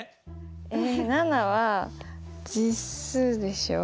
え７は実数でしょ。